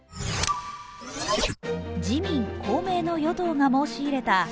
自民・公明の与党が申し入れた